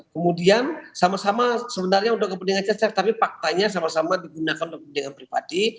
kemudian sama sama sebenarnya sudah kepentingan cacar tapi faktanya sama sama digunakan untuk kepentingan pribadi